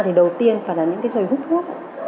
thì đầu tiên phải là những người hút thuốc